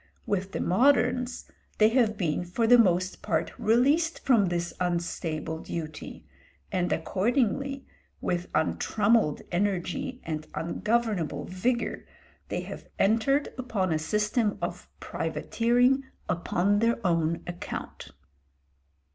With the moderns they have been for the most part released from this unstable duty, and accordingly, with untrammelled energy and ungovernable vigour, they have entered upon a system of privateering upon their own account.